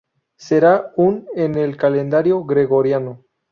Será un en el calendario gregoriano.